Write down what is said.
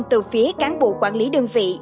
từ phía cán bộ quản lý đơn vị